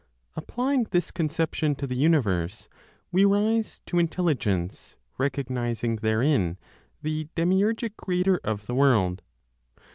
Applying this conception to the universe, we rise to Intelligence, recognizing therein the demiurgic creator of the world.